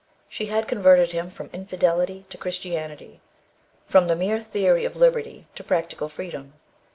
She had converted him from infidelity to Christianity; from the mere theory of liberty to practical freedom.